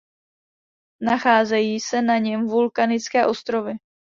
Nacházejí se na něm vulkanické ostrovy.